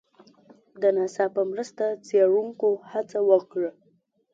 د ناسا په مرسته څېړنکو هڅه وکړه